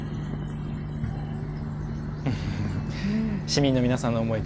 市民の皆さんの思い